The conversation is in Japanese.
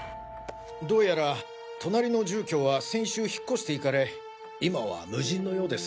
どうやら隣の住居は先週引っ越していかれ今は無人のようです。